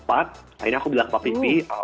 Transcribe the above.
akhirnya aku bilang ke papa